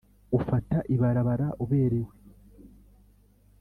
Ufata ibarabara uberewe